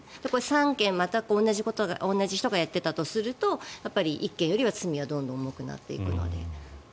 ３件全く同じ人がやっていたとすると１件よりは、罪はどんどん重くなっていくので。